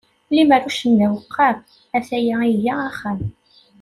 Lemmer uccen d aweqqam, a-t-aya iga axxam.